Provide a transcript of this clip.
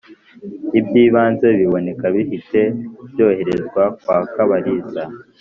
Iby’ibanze biboneka bihite byoherezwa kwa Kabalisa